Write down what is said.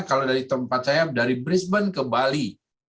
kalau dari tempat saya dari brisbon ke bali